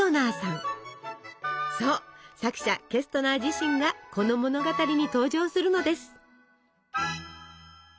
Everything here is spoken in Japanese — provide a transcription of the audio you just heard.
そう作者ケストナー自身がこの物語に登場するのです。